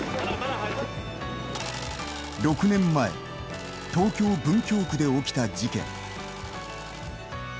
６年前東京・文京区で起きた事件。